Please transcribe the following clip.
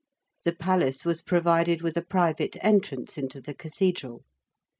The Palace was provided with a private entrance into the Cathedral.